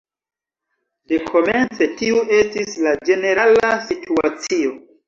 Dekomence tiu estis la ĝenerala situacio.